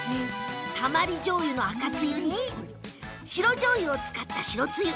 たまりじょうゆの赤つゆに白じょうゆを使った白つゆ。